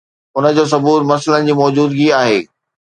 ان جو ثبوت مسئلن جي موجودگي آهي